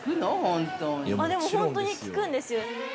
◆本当に効くんですよ。